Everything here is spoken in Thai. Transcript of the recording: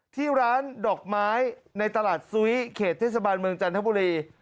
ที่ร้านดอกไม้ในตลาดซุ้ยเขตเทศบาลเมืองจันทบุรี